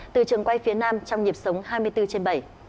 từ trường quay phía nam trong nhịp sống hai mươi bốn trên bảy